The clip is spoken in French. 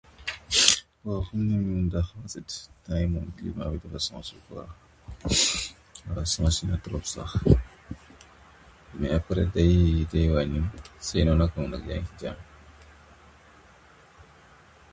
Entre-temps, il devient également champion d'Île-de-France, devant son coéquipier Benoît Sinner.